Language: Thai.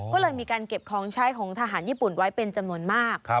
ก็เลยมีการเก็บของใช้ของทหารญี่ปุ่นไว้เป็นจำนวนมาก